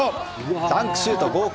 ダンクシュート、豪快！